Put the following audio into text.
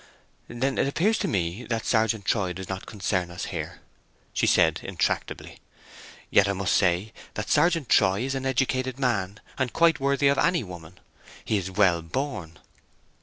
"Then it appears to me that Sergeant Troy does not concern us here," she said, intractably. "Yet I must say that Sergeant Troy is an educated man, and quite worthy of any woman. He is well born."